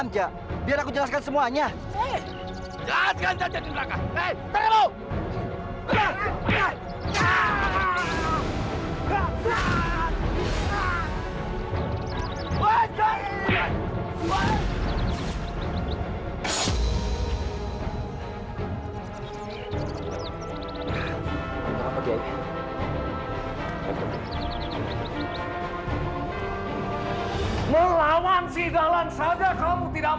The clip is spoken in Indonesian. tapi saya akan membuat perhitungan lain kali